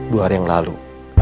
dua hari yang lalu